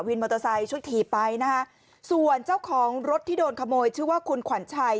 มอเตอร์ไซค์ช่วยถีบไปนะฮะส่วนเจ้าของรถที่โดนขโมยชื่อว่าคุณขวัญชัย